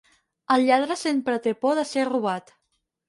El lladre sempre té por de ser robat.